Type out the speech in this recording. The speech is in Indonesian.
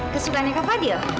kesukaannya kak fadil